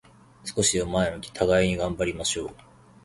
少しでも前を向き、互いに頑張りましょう。